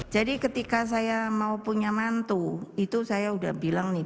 jadi ketika saya mau punya mantu itu saya udah bilang nih